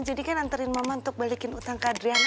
jadi kan anterin mama untuk balikin utang ke adriana